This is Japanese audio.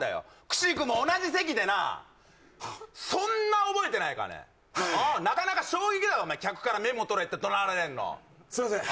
くしくも同じ席でなそんな覚えてないかねはいなかなか衝撃だわ客からメモ取れって怒鳴られんのすいません